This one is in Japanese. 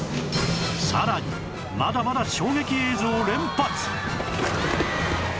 さらにまだまだ衝撃映像連発！